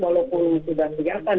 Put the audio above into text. walaupun sudah sedia kan